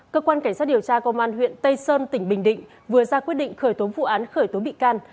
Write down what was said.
cơ quan cảnh sát điều tra công an huyện tây sơn tỉnh bình định vừa ra quyết định khởi tố vụ án khởi tố bị can